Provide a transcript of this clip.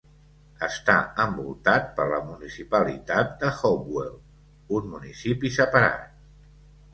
Està envoltat per la municipalitat de Hopewell, un municipi separat.